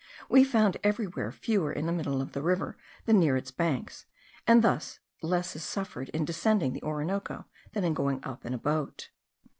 We found everywhere fewer in the middle of the river than near its banks; and thus less is suffered in descending the Orinoco than in going up in a boat.